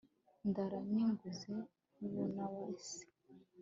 ndara nigunze nkubona wese